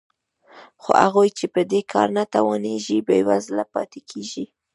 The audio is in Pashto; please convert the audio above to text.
خو هغوی چې په دې کار نه توانېږي بېوزله پاتې کېږي